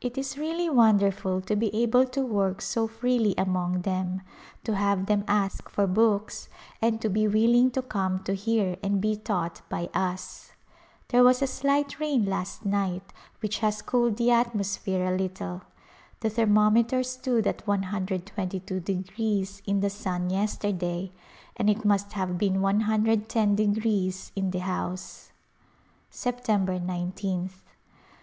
It is really wonderful to be able to work so freely among them, to have them ask for books, and to be willing to come to hear and be taught by us. There was a slight rain last night which has cooled the atmosphere a little. The thermometer stood at 122° in the sun yesterday, and it must have been iio° in the house. September igth.